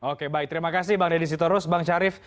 oke baik terima kasih bang deddy sitorus bang syarif